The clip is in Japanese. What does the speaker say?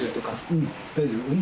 うん大丈夫。